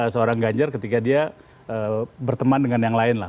seorang ganjar ketika dia berteman dengan yang lain lah